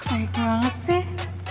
baik banget sih